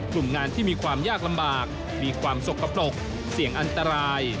กลุ่มงานที่มีความยากลำบากมีความสกปรกเสี่ยงอันตราย